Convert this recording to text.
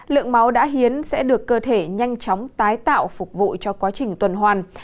lượng máu đã hiến sẽ được cơ thể nhanh chóng tái tạo phục vụ cho quá trình tuần hoàn